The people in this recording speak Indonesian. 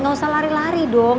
gak usah lari lari dong